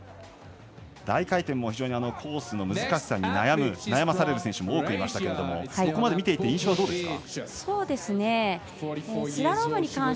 大回転も非常にコースの難しさに悩まされる選手が多くいましたけれどもここまで見ていて印象どうですか？